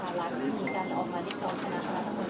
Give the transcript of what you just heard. ท่านครับนายมมันไม่ดี